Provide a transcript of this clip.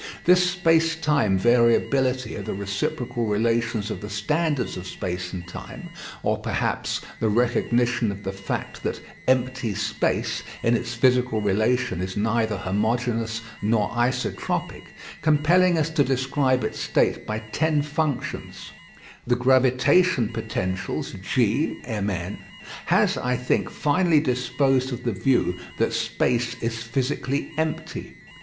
This space time variability of the reciprocal relations of the standards of space and time, or, perhaps, the recognition of the fact that "empty space" in its physical relation is neither homogeneous nor isotropic, compelling us to describe its state by ten functions (the gravitation potentials g_(mn)), has, I think, finally disposed of the view that space is physically empty.